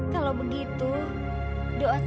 kalau begitu jangan berpikir pikir